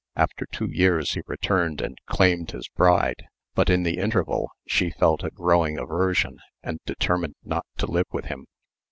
After two years he returned and claimed his bride, but in the interval she felt a growing aversion and determined not to live with him.